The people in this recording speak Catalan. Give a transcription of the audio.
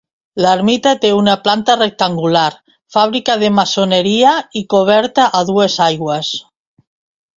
L'ermita té una planta rectangular, fàbrica de maçoneria i coberta a dues aigües.